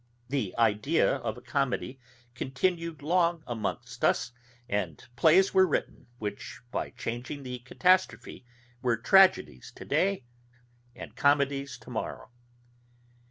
This idea of a comedy continued long amongst us; and plays were written, which, by changing the catastrophe, were tragedies to day, and comedies to morrow.